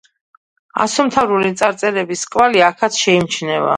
ასომთავრული წარწერების კვალი აქაც შეიმჩნევა.